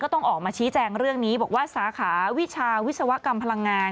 ต้องออกมาชี้แจงเรื่องนี้บอกว่าสาขาวิชาวิศวกรรมพลังงาน